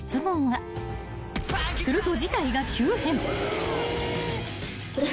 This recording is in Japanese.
［すると］